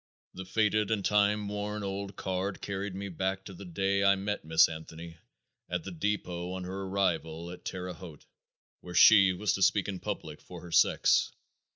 The faded and time worn old card carried me back to the day I met Miss Anthony at the depot on her arrival at Terre Haute, where she was to speak in public for her sex.